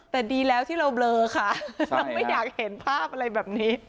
แต่ดีแล้วที่เราเบลอค่ะเราไม่อยากเห็นภาพอะไรแบบนี้